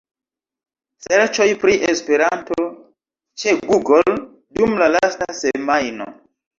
Serĉoj pri “Esperanto” ĉe Google dum la lasta semajno.